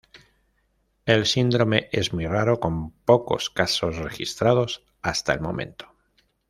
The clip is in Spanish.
El síndrome es muy raro, con pocos casos registrados hasta el momento.